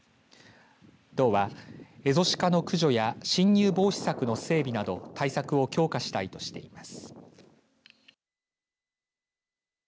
道はエゾシカの駆除や侵入防止柵の整備など対策を強化したいとしています。